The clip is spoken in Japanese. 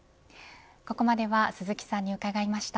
ここまでは鈴木さんに伺いました。